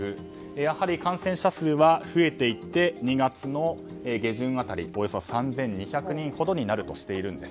やはり感染者数は増えていって２月の下旬辺りおよそ３２００人ほどになるとしているんです。